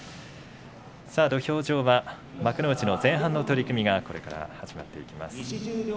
土俵上は幕内の前半の取組がこれから始まっていきます。